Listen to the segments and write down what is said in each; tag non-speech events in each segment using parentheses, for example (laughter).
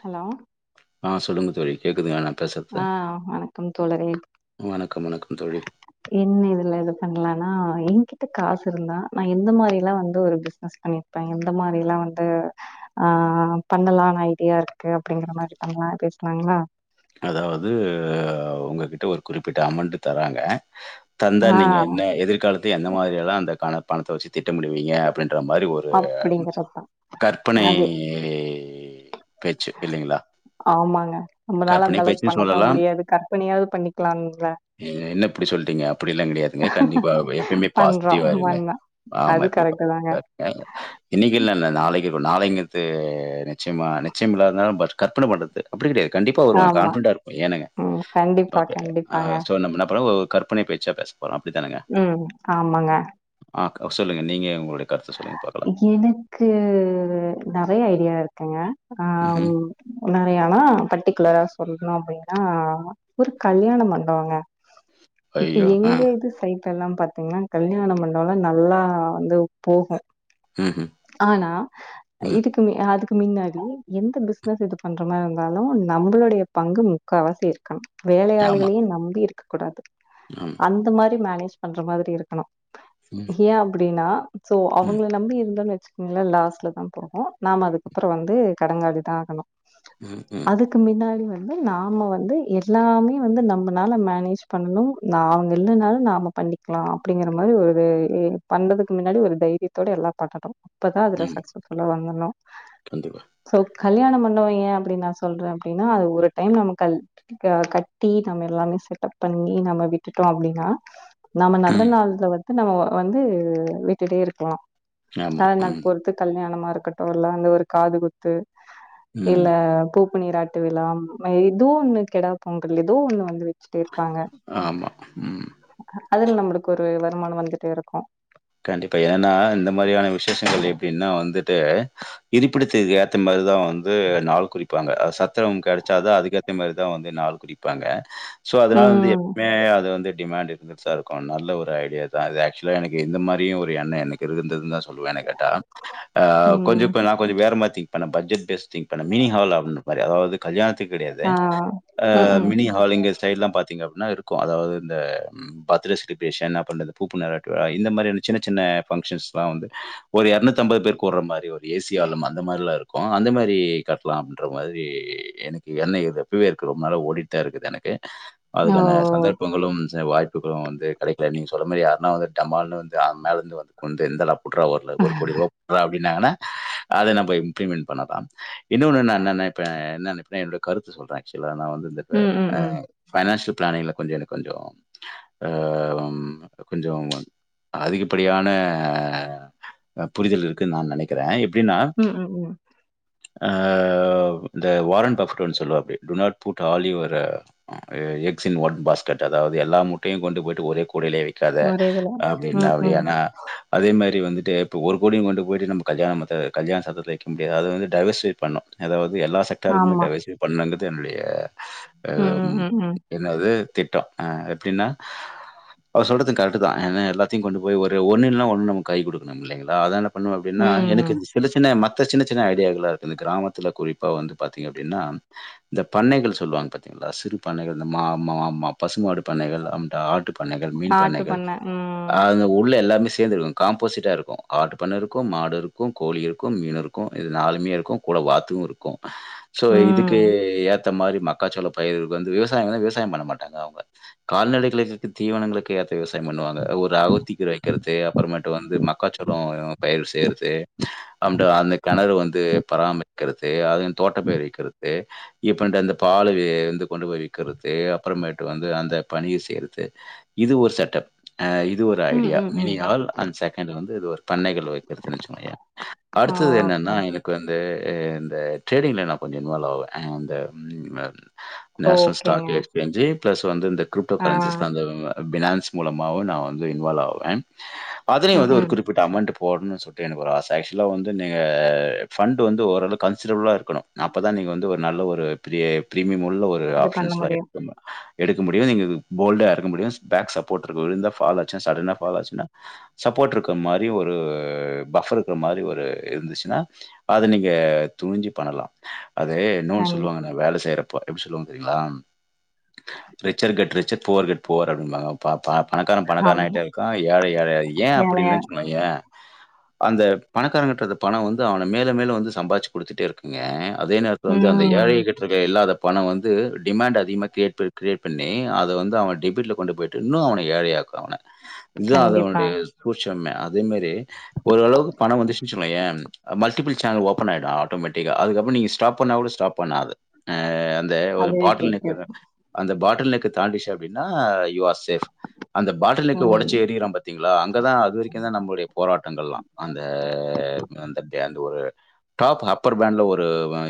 Hello ஆ சொல்லுங்க தோழி கேக்குது எனக் ஆஹ் வணக்கம் தோலரே வணக்கம்-வணக்கம் தோழி என்ன இதுல இது பண்ணலனா என்கிட்ட காசு இருந்தா நா எந்த மாதிரிலா வந்து ஒரு பிசினஸ் பண்ணிருப்பே எந்த மாரிலா வந்து ஆஹ் பண்ணலான் ஐடியா இருக்கு அப்டிங்கிற மாரி பண்ணலா பேசலாங்களா அதாவது உங்ககிட்ட ஒரு குறிப்பிட்ட அமௌண்ட் தராங்க தந்தா ஆ நீங்க என்ன எதிர்காலத்து எந்த மாதிரி எல்லாம் அந்த கண பணத்த வச்சி திட்டமிடுவீங்க அப்டின்னு இந்த மாரி ஒரு அப்டிங்கிறப்ப கற்பனை அது பேச்சி இல்லைங்களா ஆமாங்க நம்மளால கற்பனை அந்த அளவுக்கு பேச்சுன்னு பண்ணத்தா சொல்லலாம் முடியாது கற்பனையாவது பண்ணிக்கலாம்ல என்ன இப்படி சொல்லிட்டீங்க அப்டிலா கிடையாதுங்க கண்டிப்பா எப்பயுமே பண்றோ பாசிட்டிவா இருங்க பண்ண அது ஆமா கரெக்ட் தாங்க (inaudible) இன்னிக்கு இல்ல நாளைக்கு நாளைங்கிர்த்து நிச்சயமா நிச்சயம் இல்லாதால பட் கற்பனை பண்றது அப்டி கிடையாது கண்டிப்பா வருவோ ஆமா கான்பிடன்டா இருப்போ ஏனுங்க ம் கண்டிப்பா அ கண்டிப்பாங்க ஸோ நம்ம (unintelligible) கற்பனை பேச்சா பேச போறோம். அப்படித்தானங்க? உம் ஆமாங்க ஆ கெள சொல்லுங்க நீங்க உங்களோட எனக்கு நிறய ஐடியா இருக்குங்க ஆஹ் ம்ஹ்ம். உம் நிறயானா பட்டிகுலரா சொல்லணும் அப்டின்னா ஒரு கல்யாணம் மண்டபவங்க இப்ப ஐயோ! ஆ. எங்க இது சை எல்லாம் பாத்தீங்கனா கல்யாண மண்டம் நல்லா வந்து போகும் ம்ஹ்ம். ஆனா ம். இதுக்குமே அதுக் மின்னாடி எந்த பிசினஸ் இது பண்ற மாரி இருந்தாலும் நம்மளுடைய பங்கு முக்காவாசி இருக்கணும் ஆமா, வேலயாள்களையும் நம்பி இரு கூடாது ஆமா. அந்த மாரி மேனேஜ் பண்ற மாரி இருக்கணும் ம், ஏன் அப்டினா சோ ம், அவுங்கள நம்பி இருந்தோம் வ இல்ல லாஸ்லந்து அப்றோம் நாம துக்கபறம் வந்து கடங்காளி தான் ஆகணும் ம், ம். அதுக்கு மின்னாடி வந் நாம வந்து எல்லாமே வந்து நம்மனால மேனேஜ் பண்ணணும் ந இல்லானலும் நாம பண்ணிக்கலாம் அப்டிங்கற மாரி ஒரு பண்றதுக்கு மின்னாடி ஒரு தைரியத்தோட எல்லா கட்டட்டும் அப்பதான் அதுல சக்ஸஸ்ஃபுல்ல வருனும் கண்டிபா கல்யாண மண்டபம் ஏன் அப்டின்னு நான் சொல்றேன் அப்டின்னா அது ஒரு டைம் நமக்கு கல் கட்டி நம்ம எல்லாமே செட்டப் பண்ணி நம்ம விட்டுட்டோம் அப்டினா நாம நல்ல ம். நாளுல வச்ச நம வந்து வே (inaudible) இருகலாம் ஆமா. த நாள் ம், பொருத்து கல்யாணமா இருக்கட்டும் ஊர்ல அங்க ஒரு காது குத்து ம். இல்ல பூப் நீரட்டு விழா ஏதோ ஒண்ணு கெடாபொங்கல் ஏதோ ஒண்ணு வந்துரு ஆமா ம் அதுல நமக்கு ஒரு வருமானம் வந்துட்டே இருக்கும் கண்டிபா என்னா இந்த மாரியான விசேஷங்கள் எப்டினா வந்துட்டு இருப்பிடச்செய்தி ஆத்து மாரிதான் வந்து நாள் குறிப்பாங்க சட் சாவுங்க கெடசதான் அதுகேதா மாரி தான் வந்து நாள் குறிபாங்க சோ அதனால வந்து ம் எப்மே அது வந்து டிமாண்ட் இருந்துட்டுதா இருக்கு நல்ல ஒரு ஐடியாதா அது ஆக்சுவலா எனக்கு இது இந்த மாரியு ஒரு எண்ணோ எனக்கு இருந்துதுன்னுதா சொ சொல்லுவே என்ன கேட்டா ஆ கொஞ்சோ ம் இப்ப நா கொஞ்சோ வேற மாரி திங்க் ஏன்னா பட்ஜெட் பேஸ்டிங் ப்ப இந்த மினி ஹால் அப்டின்ற மாரி அதாவது கல்யாணத்துக்கு கெடையாது ஆ ஆ ம் ம் மினி ஹால் எங்க சைடுலா பாத்தீங்க அப்டின்னா க்கு அதாவது இந்த ம் பர்த்டே செலிப்ரேஷன் அப்றோ இந்த பூப்பு நன்னீராட்டு விழா இந்த மாரியான சின்ன சின்ன பங்கஷன்ஸ்லா வந்து ஒரு எரநூத்தி அம்பது பேரு கூடுற மாரி ஒரு ஏசியாலம் அந்த மாரல்லா இருக்கு க்கு அந்த மாரி கட்லா அப்டின்ற மாதிரி எனக்கு எண்ணோ இருக்கு எப்பவோ இருக்கு ரொம்ப நாளா ஓடிட்டுதா இருக்கு எனக்கு ஓ அதுக்கான சந்தர்ப்பங்களும் (unintelligible) வாய்ப்புகளு வந்து கெடைக்கல நீங்க சொன்ன மாரி யாருனா வந்து வந்து மேல இருந்து வந்து கொந்துந்தல (unintelligible) வரல ஒரு கோடி ரூபா (unintelligible) ப்டினாங்கனா அத நம்ப இம்ப்ளிமெண்ட் பண்ணலா இன்னொன்னு என்னனா இப்ப என்ன அப்டினா என்னோட கருத்த சொல்றே ஆச்சுவலா நா வந்து (unintelligible) ம் ம் ஆ ம் பைனான்ஷியல் பிளானிங்ல கொஞ்ச எனக்கு கொஞ்ச அம் கொஞ்சம் அதிகப்படியான ஆ புரிதல் இருக்குன்னு நா நெனைக்கிறேன் இப் உம் உம் உம் ஆ இந்த வாரன் பஃபெட் ஒண்ணு சொல்லுவாப்டி to not put all your uh eggs in one basket அதாவது எல்லா முட்டையு கொண்டு போயிட்டு ஒரே கு கூடைலயே வைக்காத ஒரே இதுல அப்டின்னா ம் ம் அப்டியானா அதே மாரி வந்துட்டு இப்ப ஒரு கோடியும் கொண்டு போய்ட்டு நம்ம கல்யாண மத்த கல்யாண சத்தரத்துல வைக்க முடியாது அத வந்து டைவஸர்சிட் பண்ணனு ஏதாவது து எல்லா செக்டாருக்குமே ஆமா டைவர்சிங் பண்ணுங்கறது என்னுடைய ம் ம் அம் ம் ம் என்னது திட்ட ஆ எப்டின்னா அவர் சொல்றது கரெக்ட்தா அதன எல்லாத்தையும் கொண்டு போய் ஒரு ஒன்னு இல்ல ஒன்னு நமக்கு கைகொடுக்கணும் இல்லைங்களா அதனால் பண்ணும் அப்டின்னா எனக்கு ம் இந்த சின்ன சின்ன மத்த சின்ன சின்ன ஐடியாகள்லா இருக்கு இந்த கிராமத் துல குறிப்பா வந்து பாத்தீங்க அப்டின்னா இந்த பண்ணைகள் சொல்வாங்க பாத்தீங்களா சிறு பண்ணையிலிர்ந்து மா மா மா பசு மாடு பண்ணைகள் அந் ஆட்டுப் பண்ணைகள் மீன் பண்ணைகள் உம் அது உள்ள எல்லாமே சேந்துருக்கும் காம்போசிட்டா இருக்கும் ஆட்டு பண்ண இருக்கும் மாடு இருக்கும் கோழி இருக்கும் மீன் இருக்கும் இது நாலுமே இருக்கும் கூட வாத்தும் இருக்கும் சோ இதுக்கு ம் ஏத் த்த மாரி மக்காச்சோள பயிர் வந்து விவசாயம்னா விவசாயம் பண்ண மாட்டாங்க அவங்க கால்நடைகளுக்கு தீவனங்களுக்கு ஏத்த விவசா டைம் பண்ணுவாங்க ஒரு அகத்திக்கீர வைக்கறது அப்புறமேட்டு வந்து மக்காச்சோளோ பயிர் செய்றது அந்த அந்த கெணறு வந்து பராமரிப் க்குறது அதும் தோட்டப்பேரு வக்கிறது இப்ப இந்த அந்த பாலு வந்து கொண்டு போய் விக்கிறது அப்புறமேட்டு வந்து அந்த பணிய செய்யறது இது ஒரு செட் அப் ஆ இது ஒரு ம் ஐடியா ம் மினி ம் ஹால் அண்ட் செகண்ட் வந்து இது ஒரு பண்ணைகள் வைக்கிறதுனு வச்சுக்கோயே ஆ அடுத்தது என்னென்னா ஓகே எனக்கு வந்து ஆ இந்த ட்ரேடிங்ல நா கொஞ்சம் இன்வால்வ் ஆவே அந்த ஆ நேஷனல் ஓகேங்க ஸ்டாக் எக்ஸ்சேஞ்சு பிளஸ் வந்து இந்த கிரிப்டோ ஆ கரன்சிஸ்ல அந்த பினான்ஸ் மூலமாவு நா வந்து இன்வால்வ் ஆவே அதுலயு ம் வந்து ஒரு ம் குறிப்பிட்ட அமௌன்ட் போடணுன்னு சொல்ட்டு எனக்கு ஒரு ஆச ஆக்சுவலா வந்து நீங்க ஃபண்ட் வந்து ஓரளவுக் கன்சிடெரபுலா இருக்கணு அப்பதா நீங்க வந்து ஒரு நல்ல ஒரு ஆஹ் பிரீ பிரீமியம் (unintelligible) உள்ள ஒரு இது பண்ண ஆப்ஷன்ஸ்லா முடியும் (unintelligible) எடுக்க முடியு நீங்க போல்டா இருக்க முடியு பேக் சப் போட்ருக்கு விழுந்தா ஃபால் ஆச்சுன்னா சடனா ஃபால் ஆச்சுனா சப்போர்ட் இருக்க மாரி ஒரு பஃபர் இருக்க மாரி ஒரு இருந்துச்சுன்னா அத நீங்க துணிஞ்சு பண்ணலா அதே இன்னொன்னு கண்டிப்பா சொல்லுவாங்க நா வேலை செய்றப்ப ப்போ எப்டி சொல்லுவாங்க தெரியுங்களா richer get richer poor get poor அப்டிம்பாங்க ஆ பணக்காரன் பணக்காரன் ஆமா ஆயிட்டே இருக்கா ஏழை ஏழையாயி ஏன் அப்டின்னு வேலையா வெச்சுக்கோயே அந்த பணக்காரங்கட்ட இருக்க பணம் வந்து அவன மேலும் மேலும் வந்து சம்பாதிச்சு குடுத்துட்டே இருக்கு ங்க அதே நேரத்துல வந்து அந்த ம். ஏழைகிட்ட இருக்க இல்லாத பணம் வந்து டிமாண்ட் அதிகமா கிரியேட் ப கிரியேட் பண்ணி அத வந்து அவன் டெபிட்ல கொண்டு போயிட் இன்னு அவன ஏழையாக் க்கு அவன இதான் கண்டிப்பா. அதனுடைய சூட்ச் ட்டுமே அதே மாரி ஓரளவுக்கு பணம் வந்துருச்சுனு வச்சுக்கோயே மல்டிபிள் சேனல் ஓபன் ஆயிடு ஆட்டோமேட்டிக்கா அதுக்கப்பறம் நீங்க ஸ்டாப் பண்ணா கூட ஸ்டாப் பண்ணாது அஹ் அந்த ஒரு அதுவே பாட்டில் நெக்குற போய்க்கிருக்கும். அந்த பாட் (unintelligible) க்கு தாண்டிருச்சு அப்டின்னா யுவர்ஸ் (unintelligible) அந்த பாட்டிலுக்கு ம். ஒடைச்சி எரியறா பாத்தீங்களா அங்கதா அதுவரைக்கும்தா நம்மளுடைய போராட்டங்கள்லாம் அந்த அந்த த ஒரு டாப் அப்பர் பேண்ட்ல ஒரு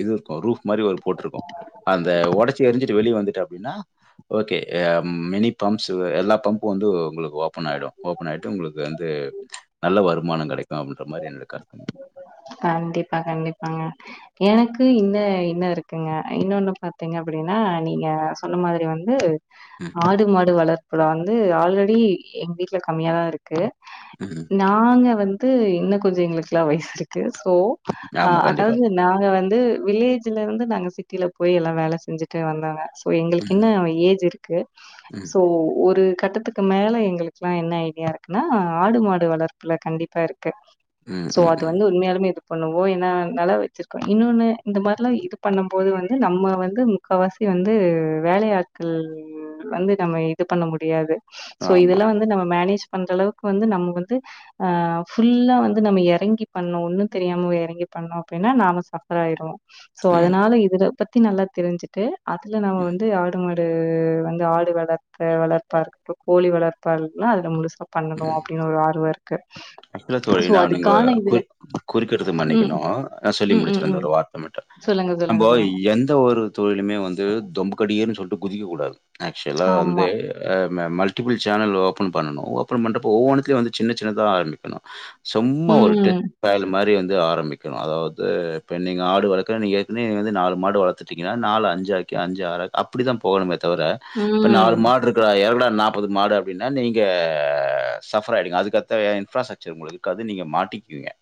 இது இருக்கும் ரூப் மாரி ஒரு போட்ருக்கும் அந்த ஒடச்சி எரிஞ்சிட்டு வெளிய வந்துட்டு அப்டின்னா ஓகே அ மினி பம்ப் ஸ் எல்லா பம்பும் வந்து உங்களுக்கு ஓபன் ஆயிடும் ஓபன் ஆயிட்டு உங்களுக்கு வந்து நல்ல வருமானம் கெடைக்கும் அப்டின்ற மாரி என்னட கருத்துங்க கண்டிப்பா கண்டிப்பாங்க எனக்கு இன்ன இன்ன இருக்குங்க இன்னொன்னு பாத்தீங்க அப்டின்னா நீங்க சொன்ன மாரி வந்து ம், ஆடு மாடு வளர் இப்பலா வந்து ஆல்ரெடி எங்க வீட்டுல கம்மியாாதான் இருக்கு ம். நாங்க வந் து இன்னும் கொஞ்சம் எங்களுக்கெல்லாம் வயசுருக் க்ஸ் சோ ஆமா, கண்டிப்பா. அதாவது நாங்க வந் து வில்லேஜ்ல இருந்து நாங்க சிட்டில போய் எல்லாம் வேல செஞ்சுட்டு வந்தவங்க ப்போ எங்களுக்கு ம், இன்னும் ஏஜ் இருக்கு ம், சோ ஒரு கட்டத்துக்கு மேல எங்களுக்குல்லாம் என்ன ஐடியா இருக்குன்னா ஆடு மாடு வளர்ப்புல கண்டிப்பா இருக்கு ம் ம் ம் உண்மயாலுமே இது பண்ணுவோம் ஏனா நெலம் வச்சிருக்கோம் இன்னொன்னு இந்த மாரிலாம் இது பண்ணும் போது வந்து நம்ம வந்து முக்காவாசி வந்து வேலயாட்கள் வந்து நம்ம இது பண்ண முடியாது சோ ஆமாம். இதெல்லாம் வந்து நம்ம மேனேஜ் பண்ற அளவுக்கு வந்து நம்ம வந்து அ ஃபுல்லா வந்து நம்ம எறங்கி பண்ணும் ஒண்ணும் தெரியாம வே எறங்கி பண்ணோம் அப்டின்னா நாம சபர் ஆயிருவோம் சோ ம் ஆமா. ம், அதனால இதுல பத்தி நல்லா தெரிஞ்சுட்டு அதுல நாம வந்து ஆடு மாட் வந்து ஆடு வளர்த்த வளர்ப்பா கோழி வளர்ப்பா அது முழுசா பண்ணணும் அப்டின்னு ஒரு ஆர்வம் இருக்கு அப்டில தோழி சோ நா நீங்க அதுக்கான இதுல கொய் குறிக்கிட்றது ம் மன்னிக்கணும்நா சொல்லி ம் ம் முடிச்சிறேன் இந்த ம் ஒரு வார்த்தை மட்டும் சொல்லுங்க நம்ப சொல்லுங்க சொல்லுங்க எந்த ஒரு தொழிலுமே வந்து தொமுக்கடிய சொல்லிட்டு குதிக்க கூடாது ஆக்சுவலா வந்து ஆமா அ மல்டிபிள் சேனல் ஓப்பன் பண்ணணும் ஓபன் பண்ணிட்டு அப்போ ஒவ்வொன்னுத்திலேயும் அப்பறம் சின்ன சின்னதா ஆரமிக்கனும் கணும் சும்மா ஒரு ம் டெட் டால் மாரி வந் ஆரம்பிக்கணும் அதாவது இப்ப நீங்க ஆடு வளக்கணும் ஏற்கனவே நாலு மாடு வளர்த்துட்டீங்கன்னா நால அஞ்சாக்கி ஆராக்கி அப்டித்தான் போகணுமேத் தவிர இப்ப நாலு ம் மாடு இருக்குடா ஏர்டா நாப்பது மாடு அப்டின்னா நீங்க சஃபர் ஆயிடுவிங்க அதுக்கேத்த இன்பராஸ்டக்ச சர் இருக்காது நீங்க மாட்டிக்குவீங்க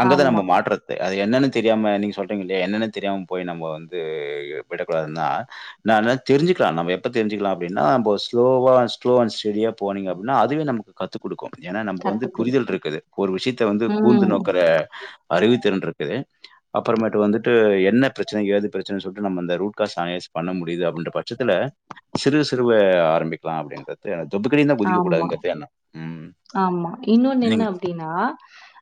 அங்கதான் ஆமா நம்ம மாட்றாதே அது என்னென்னு தெரியாம நீங்க சொல்றீங்கலாய என்னன்ன தெரியாம போய் நம்போ வந்து விடக்கூடாது நான் ந தெரிஞ்சுலாம் நமப்ப எப்போ தெரிஞ்சுகலாம் அப்டினா நம்போ ஸ்லோவா ஸ்லோவாண்ட்ஸ்டெடி ஹா போனங்க அப்பின அதுவே நமக்கு காத்துக் கொடுக்கோம் ஏன்னா நமக்கு கத்து வந்து புரிதல் குடுக்கு இருக்குது ஒரு விஷயத்த வந்து கூர்ந்து ம் நோக்குற அறிவுத்திறன் இருக்குது அப்புறமேட்டு வந்துட்டு என்ன பிரச்சன ஏது பிரச்சனன்னு சொல்லிட்டு நம்ம இந்த ரூட்காச் சஸ் பண்ண முடியுது அப்படின்ற பட்சத்துல சிறு சிறுவ ஆரம்பிக்கலாம் அப்படிங்கது தொப்புக்கடிலா குதிக்க ஆமா கூடாதுுறது என்னா ஆமா இன்னொன்னு என்ன அப்படின்னா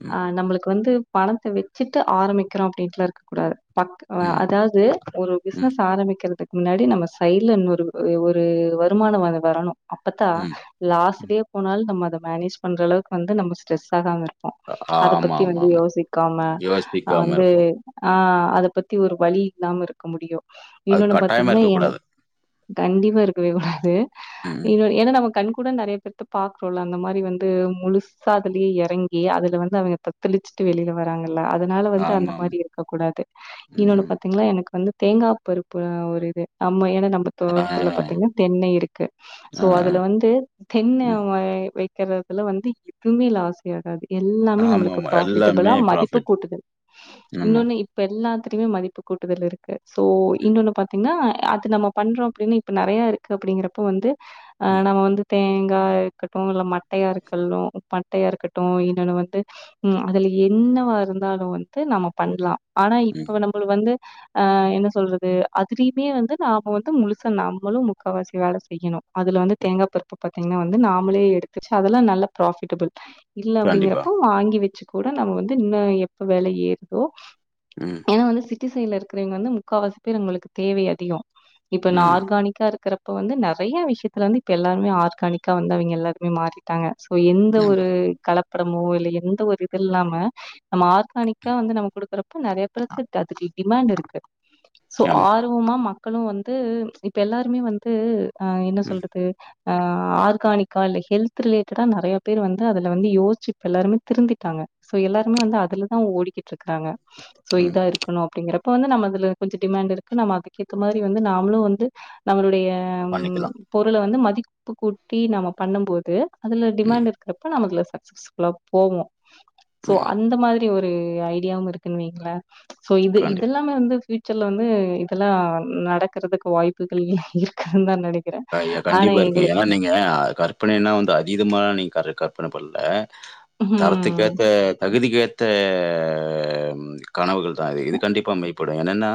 ம், அஹ நம்மளுக்கு வந்து பணத்த வச்சு விட்டு ஆரம்பிக்கறோம் அப்டின்டுல இருக்க கூடாது பக் ம், அதாவது ஒரு ம், பிசினஸ் ஆரம்பிக்கிறதுக்கு முன்னாடி நம்ம சைல இன்னொரு ஒரு வருமானம் வந்து வரணும் அப்பத்தான் ம், ம். லாஸ்ளே போனாலும் நம்ம அத மேனேஜ் பண்றளவுக்கு வந்து நம்ம ஸ்ட்ரெஸ் ஆகாம இருக்க அ- அத ஆமா, பத்தி ஆமா, வந்து ஆமா. யோசிக்காம ஹ் யோசிக்காம வந்து இருப்போம். ஆஹ் பத்தி ஒரு வழி இல்லாம இருக்க முடியும் அது இன்னொன்னு கட்டாயமா பாத்தீங்கன்னா ஏ இருக்கக்கூடாது. கண்டிப்பா இருக்கவே கூடாது ம். இன்னொ ஏன்னா நம்ம கண் கூட நிறைய பேத பாக்குரேம்லா அந்த மாரி வந்து முழுசயதுலேயே இறங்கி அதுல வந்து அவங்க த தெளிச்சுட்டு வெளிய வராங்க அதனால வந்து அந்த ஆமாமா. மாரி இருக்க கூடாது ம், இன்னொன்னு ம். பாத்தீங்கன்னா எனக்கு வந்து தேங்கா பருப்பு ஒரு இது ஆம்ம எனக்கு நம்ம ஆ, தோட்டத்துல பாத்தீங்கன்னா தென்னை இருக்கு சோ ஆ, ஆ, அதுல வந்து தென்ன ம். வைக்கிறதுதுல வந்து எதுவுமே லாஸ்யே ஆகாது எல்லாமே நம்மளுக்கு ஆமாமா. பிராபிட்ட எல்லாமே இதலாம் மதிப்பு ப்ராஃபிட் தான். கூட்டுதுல் ஆமா. இன்னொன்னு இப்ப எல்லா இதுலையும் மதிப்பு கூட்டுதல் இருக்கு சோ இன்னொன்னு பாத்தீங்கன்னா அது நம்ம பண்றோம் அப்படின்னு இப்ப நிறயா இருக்கு அப்டிங்கிறப்ப வந்து ஆஹ் ம், நம்ம வந்து தேங்காவுக்கு இல்ல மட்டயா இருக்கும் பட்டயா இருக்கட்டும் இனன்னு வந்து ம் அதுல என்னவா இருந்தாலும் வந்து நம்ம பண்ணலாம் ஆனா ம். இப்ப நம்மளுக்கு வந்து ஆஹ் என்ன சொல்றது அதுலயுமே வந்து நாம வந்து முழுச நம்மளும் முக்கால்வாசி வேலை செய்யணும் அதுல வந்து தேங்காய் பருப்பு பார்த்தீங்கன்னா வந்து நாம நம்மலே எடுச்சு அதொம் நல்ல ப்ராபிடபிள் இல்ல கண்டிப்பா. அப்படிங்கறப்போ வாங்கி வச்சு கூட நம்ம வந்து இன்னு எப்ப வெலை ஏறுதோ ம், ஏன்னா வந்துச்சு குட்டி சைல இருக்கிறவங்க வந்து முக்காவாசி பேர் உங்களுக்கு தேவை அதிகம் இப்ப நான் ம். ஆர்கானிக்கா இருக்கிற இப்ப வந்து நிறைய விஷயத்துல வந்து இப்ப எல்லாருமே ஆர்கானிக்கா வந்தவைங்க எல்லாருக்குமே மாறிட்டாங்க எந்த ஆமா, ஒரு கல ப் அப்புறமோ இல்ல எந்த ஒரு இது இல்லாம நம்ம ஆர்கானிக்கா வந்து நம்ம கொடுக்குறப்ப நிறைய பேருக்கு அதுக்கு டிமாண்ட் இருக்கு சோ ஆமா. ஆர்வமா மக் மக்களும் வந்து பச் இப்போ எல்லாருமே வந்து ஆஹா என்ன ம், சொல்றது ஆஹா ஆர்கானிக் கால்ல ஹெல்த ரிலேட்டடா நிறைய பேர் வந்து அதுல வந்து யோச்சு இப்ப எல்லாருமே திருந்தட்டாங்க சோ எல்லாருமே வந்து அதுல தான் ஓடிக்கிட்டு இருக்கறாங்க சோ ம். இதா இருக்கணும் அப்படிங்கற இப்ப வந்து நம்ம அதுல கொஞ்சம் டிமாண்ட் இருக்கு நம்ம அதுக்க ஏத்த மாதிரி வந்து நாமளும் வந்து நம்மளுடைய ஆம் பண்ணிக்கலாம். பொருளை வந்து மத்த மதிப்பு கூட்டி நம்ம பண்ணும்போது அதுல ம், டிமாண்ட் இருறப்ப நமக்கு ல கஸ்கல்லா போவோம் சோ ம். அந்த மாதிரி ஒரு ஐடியாவும் இருக்குன்னுவீங்கள சோ இது கண்டிப்பா. இதெல்லாமே வந்து வந்து இதெல்லாம் நடக்கிறதுக்கு வாய்ப்புகள் இருக்கா தான் நெனச்சு ஐ்யா கண்டிப்பா இருக்கயா நீங்க அது கற்பனை னா வந்து அதீதமான நீ கார கற்பன பண்ணல ம் தரத்துக்கேத்த தகுதிக்ககேத் கனவுகள் (unintelligible) ஹ இது கண்டிப்பாமை என்னன்னா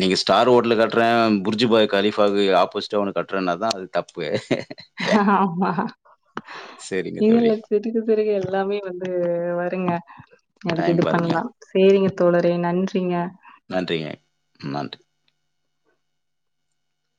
நீங்க ஸ்டார் ஹோட்டல கட்டுறன் புர்ஜுபாய் கலிபா ஆது புஸ்டு ஒன்னு கட்டுறனா தான் அது தப்பு அஹ அஹ ஆமா சரிங்க இது இல்ல தோழி. திருகு திருகு எல்லாமே வந்து வருங்க அதுக்கு டைம் இது பாருங்க. பண்ணலாம் செரிங்க தோழறோ நன்றிங்க நன்றிங்க நன்றி